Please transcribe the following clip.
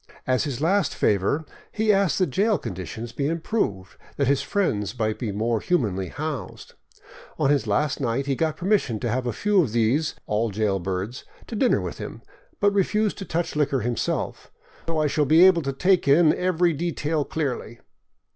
As his last favor, he asked that jail conditions be improved, that his friends might be more humanly housed. On his last night he got permission to have a few of these — all jailbirds — to dinner with him, but re fused to touch liquor himself, " so I shall be able to take in every de tail clearly."